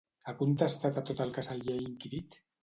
Ha contestat a tot el que se li ha inquirit?